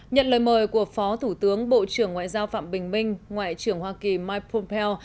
nhận lời mời của phó thủ tướng bộ trưởng ngoại giao phạm bình minh ngoại trưởng hoa kỳ mike pompeo